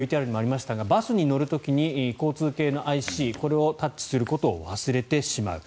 一番ひどい時の症状ですがこれもＶＴＲにありましたがバスに乗る時に交通系のＩＣこれをタッチすることを忘れてしまう。